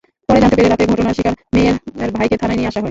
পরে জানতে পেরে রাতে ঘটনার শিকার মেয়ের ভাইকে থানায় নিয়ে আসা হয়।